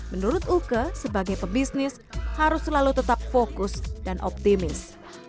menurut uke sebagai pebisnis harus selalu tetap fokus dan optimis